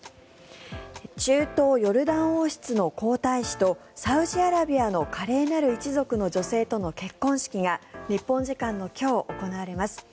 中東ヨルダン王室の皇太子とサウジアラビアの華麗なる一族の女性との結婚式が日本時間の今日行われます。